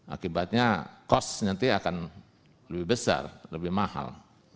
akibatnya cost nanti akan lebih besar lebih mahal